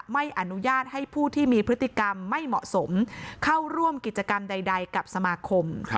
ไม่อนุญาตให้ผู้ที่มีพฤติกรรมไม่เหมาะสมเข้าร่วมกิจกรรมใดกับสมาคม